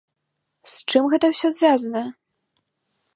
З чым гэта ўсё звязана?